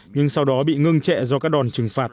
nhưng sau đó bị ngưng chẹ do các đòn trừng phạt từ mỹ